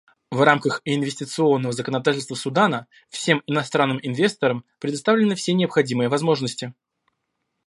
В рамках инвестиционного законодательства Судана всем иностранным инвесторам предоставлены все необходимые возможности.